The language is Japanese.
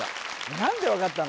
何で分かったの？